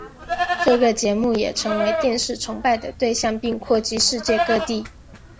这个节目也成为电视崇拜的对象并扩及世界各地。